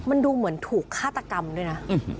มันดูเหมือนถูกฆาตกรรมด้วยนะ